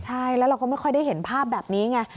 ใช่แล้วเราก็ไม่ค่อยได้เห็นภาพแบบนี้ไง